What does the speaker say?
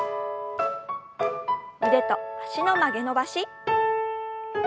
腕と脚の曲げ伸ばし。